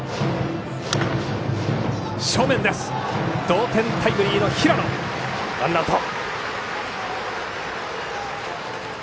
同点タイムリーの平野ワンアウト。